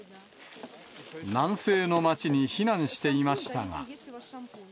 南西の街に避難していましたが。